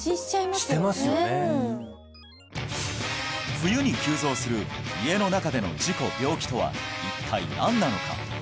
冬に急増する家の中での事故・病気とは一体何なのか？